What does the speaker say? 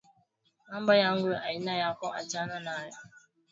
Mambo yangu aina yako achana nabyo